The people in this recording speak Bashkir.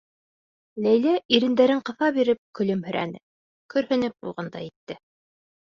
Ләйлә, ирендәрен ҡыҫа биреп, көлөмһөрәне, көрһөнөп ҡуйғандай итте.